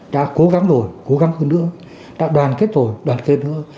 đã cố gắng rồi cố gắng hơn nữa đã đoàn kết rồi đoàn kết nữa